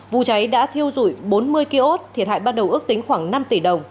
vụ cháy đã thiêu rụi bốn mươi kiosk thiệt hại ban đầu ước tính khoảng năm tỷ đồng